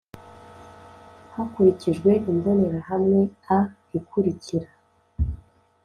Hakurikijwe imbonerahamwe A ikurikira